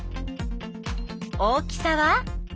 大きさは？